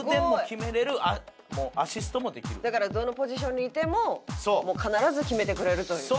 だからどのポジションにいてももう必ず決めてくれるという。